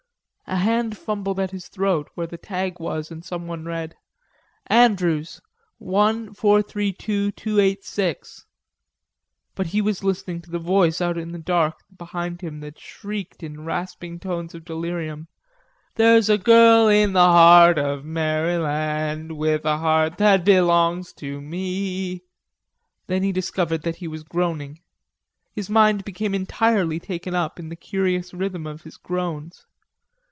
A hand fumbled at his throat, where the tag was, and someone read: "Andrews, 1.432.286." But he was listening to the voice out in the dark, behind him, that shrieked in rasping tones of delirium: "There's a girl in the heart of Mary land With a heart that belongs to me e." Then he discovered that he was groaning. His mind became entirely taken up in the curious rhythm of his groans.